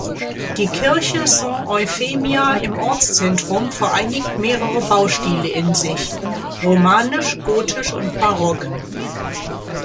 Die Kirche Sant’Eufemia im Ortszentrum vereinigt mehrere Baustile in sich: romanisch, gotisch und Barock.